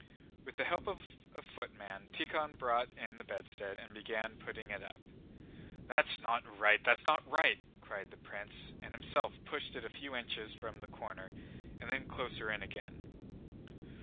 With the help of a footman Tíkhon brought in the bedstead and began putting it up. "That's not right! That's not right!" cried the prince, and himself pushed it a few inches from the corner and then closer in again.